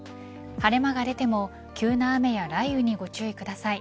晴れ間が出ても急な雨や雷雨にご注意ください。